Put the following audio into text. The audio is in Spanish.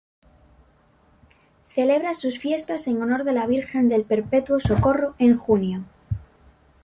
Celebra sus fiestas en honor de la Virgen del Perpetuo Socorro en junio.